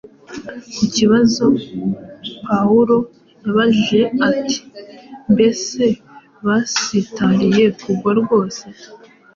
Ku kibazo Pawulo yabajije ati “Mbese basitariye kugwa rwose?”,